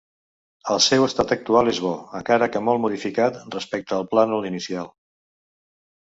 El seu estat actual és bo, encara que molt modificat respecte al plànol inicial.